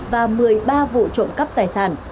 và một mươi ba vụ trộm cắp tài sản